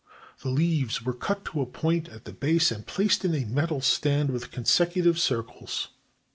The leaves were cut to a point at the base and placed in a metal stand with con secutive circles.